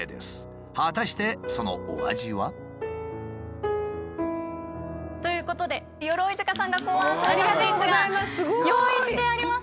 果たしてそのお味は？ということで鎧塚さんが考案されたスイーツが用意してあります。